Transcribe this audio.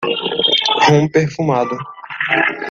Rum perfumado!